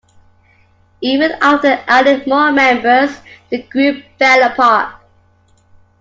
Even after adding more members, the group fell apart.